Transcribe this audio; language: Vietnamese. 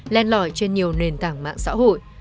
lên lỏi trên nhiều nền tảng mạng xã hội